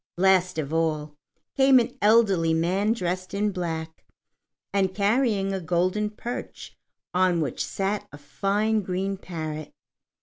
Last of all came an elderly man dressed in black, and carrying a golden perch on which sat a fine green parrot.